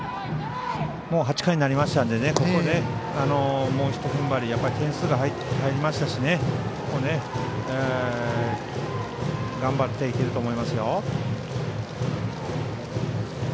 ８回になりましたのでここでもうひとふんばり点数が入りましたし頑張っていけると思いますよ。